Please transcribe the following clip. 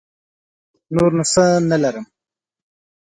نور نو څه نه لرم.